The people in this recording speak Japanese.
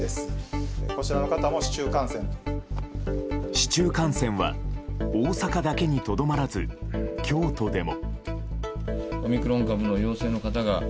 市中感染は大阪だけにとどまらず京都でも。